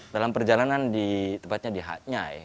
dalam perjalanan di tempatnya di hatyai